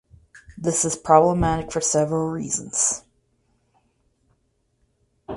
This is problematic for several reasons.